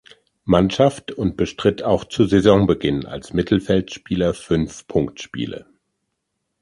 Mannschaft und bestritt auch zu Saisonbeginn als Mittelfeldspieler fünf Punktspiele.